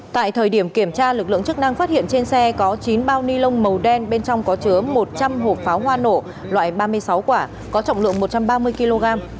tại thời điểm kiểm tra lực lượng chức năng phát hiện trên xe có chín bao ni lông màu đen bên trong có chứa một trăm linh hộp pháo hoa nổ loại ba mươi sáu quả có trọng lượng một trăm ba mươi kg